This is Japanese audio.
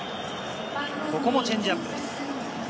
ここもチェンジアップです。